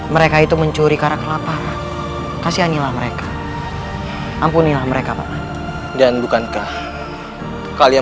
mereka itu mencuri karena kelaparan kasihanilah mereka ampunilah mereka dan bukankah kalian